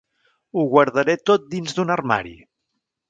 Ho guardaré tot dins d'un armari.